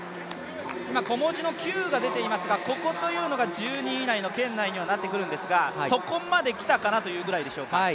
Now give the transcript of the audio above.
今、小文字のＱが出ていますがここというのが１２位以内の圏内というところになってくるんですがそこまで来たかなというぐらいでしょうか。